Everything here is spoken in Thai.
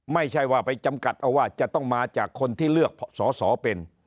ไม่ใช่ว่าไปจำกัดเอาว่าจะต้องมาจากคนที่เลือกสอสอเป็น